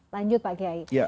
lanjut pak geyi